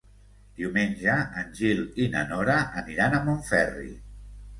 Diumenge en Gil i na Nora aniran a Montferri.